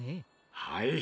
はい。